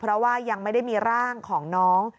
เพราะว่ายังไม่ได้มีร่างของน้อง